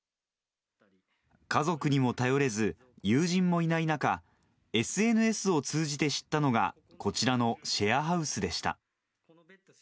家族にも頼れず、友人もいない中、ＳＮＳを通じて知ったのが、こちらのシェアハウスでした。